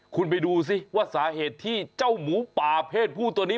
คุณไปดูสิว่าสาเหตุที่เจ้าหมูป่าเพศผู้ตัวนี้